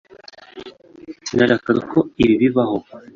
Sinashakaga ko ibi bibaho